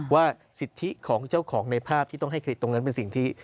ว่าสิทธิของเจ้าของในภาพที่ต้องให้เครดตรงนั้นเป็นสิ่งที่